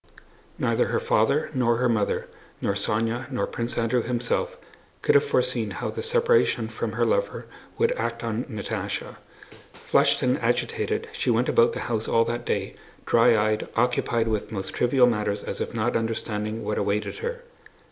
Neither her father, nor her mother, nor Sónya, nor Prince Andrew himself could have foreseen how the separation from her lover would act on Natásha. Flushed and agitated she went about the house all that day, dry eyed, occupied with most trivial matters as if not understanding what awaited her.